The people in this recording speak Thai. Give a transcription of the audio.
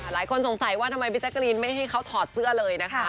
หลายคนสงสัยว่าทำไมพี่แจ๊กรีนไม่ให้เขาถอดเสื้อเลยนะคะ